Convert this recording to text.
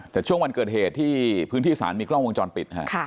แต่ช่วงวันเกิดเหตุที่พื้นที่ศาลมีกล้องวงจรปิดนะฮะ